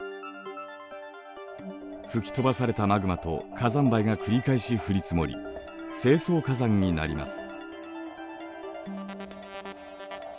吹き飛ばされたマグマと火山灰が繰り返し降り積もり成層火山になります。